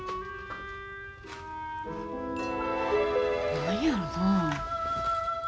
何やろな。